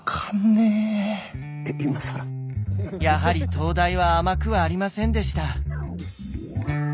やはり東大は甘くはありませんでした。